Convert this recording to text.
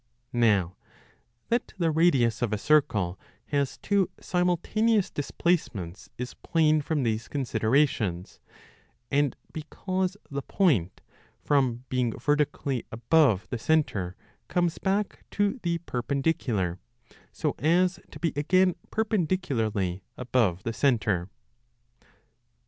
35 Now that the radius of a circle has two simultaneous displacements is plain from these considerations, and because the point l from being vertically above the centre comes back to the perpendicular, so as to be again perpendicularly above the centre.